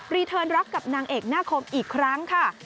เทิร์นรักกับนางเอกหน้าคมอีกครั้งค่ะ